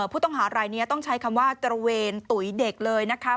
ผู้ต้องหารายนี้ต้องใช้คำว่าตระเวนตุ๋ยเด็กเลยนะคะ